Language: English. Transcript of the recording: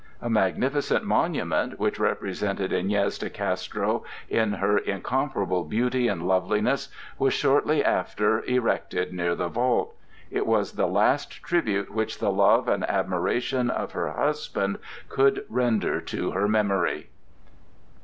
A magnificent monument, which represented Iñez de Castro in her incomparable beauty and loveliness, was shortly after erected near the vault. It was the last tribute which the love and admiration of her husband could render to her memory.